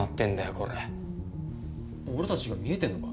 これ俺達が見えてんのか？